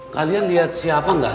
kalian liat siapa gak